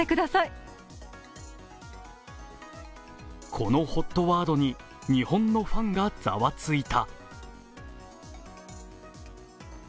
このＨＯＴワードに日本のファンがざわついた。